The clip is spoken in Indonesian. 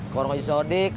ke orang orang di sodik